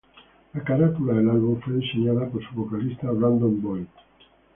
La carátula del álbum fue diseñada por su vocalista Brandon Boyd.